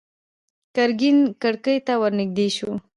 ګرګين کړکۍ ته ور نږدې شو.